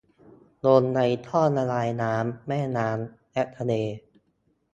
ลงในท่อระบายน้ำ แม่น้ำ และทะเล